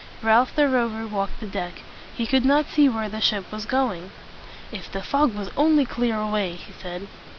Ralph the Rover walked the deck. He could not see where the ship was going. "If the fog would only clear away!" he said.